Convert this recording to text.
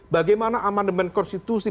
bagaimana amandemen konstitusi